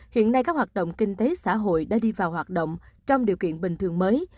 hiện nay các hoạt động kinh tế xã hội đã đi vào hoạt động trong điều kiện bình thường mới